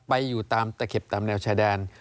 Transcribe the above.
อยู่ตามตะเข็บตามแนวชายแดน